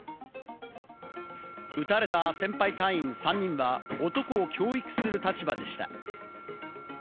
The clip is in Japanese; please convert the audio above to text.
撃たれた先輩隊員３人は、男を教育する立場でした。